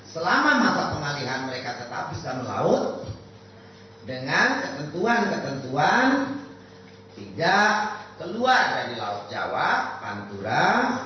selama mata pengalihan mereka tetap bisa melaut dengan ketentuan ketentuan tidak keluar dari laut jawa pantura